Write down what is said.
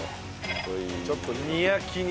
ちょっと煮焼きにすると。